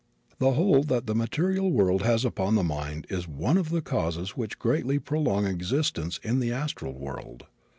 The hold that the material world has upon the mind is one of the causes which greatly prolong existence in the astral world.